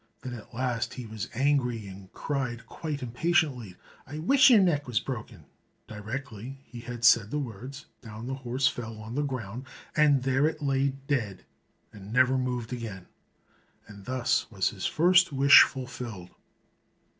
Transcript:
Then at last he was angry, and cried quite impatiently, "I wish your neck was broken!" Directly he had said the words, down the horse fell on the ground, and there it lay dead and never moved again. And thus was his first wish fulfilled.